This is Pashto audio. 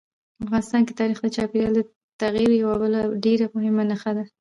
افغانستان کې تاریخ د چاپېریال د تغیر یوه بله ډېره مهمه نښه ده.